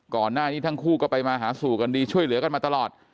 ก่อนหน้านี้ทั้งคู่ก็ไปมาหาสู่กันดีช่วยเหลือกันมาตลอด